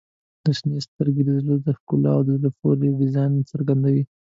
• شنې سترګې د زړه د ښکلا او زړه پورې ډیزاین څرګندوي.